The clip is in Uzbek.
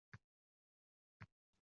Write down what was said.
„G‘urbatda g‘arib shodmon bo‘lmas emish